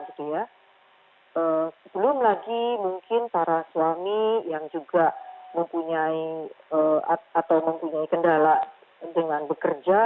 sebelum lagi mungkin para suami yang juga mempunyai atau mempunyai kendala dengan bekerja